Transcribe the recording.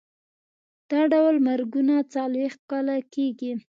دا ډول مرګونه څلوېښت کاله کېږي.